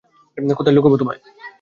কোথায় লুকাবো তোমায়?